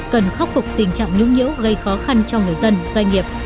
cần khắc phục tình trạng nhũng nhiễu gây khó khăn cho người dân doanh nghiệp